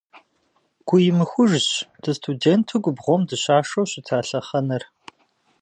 Гуимыхужщ дыстуденту губгуъэм дыщашэу щыта лъэхъэнэр.